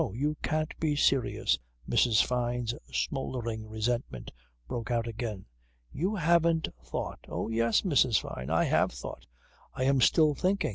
You can't be serious," Mrs. Fyne's smouldering resentment broke out again. "You haven't thought " "Oh yes, Mrs. Fyne! I have thought. I am still thinking.